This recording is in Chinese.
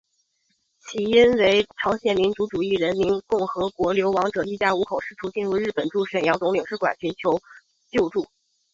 起因为朝鲜民主主义人民共和国流亡者一家五口试图进入日本驻沈阳总领事馆寻求救助。